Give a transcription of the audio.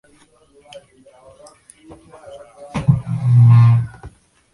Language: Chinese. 从河南省会郑州市到嵖岈山不过一百八十公里。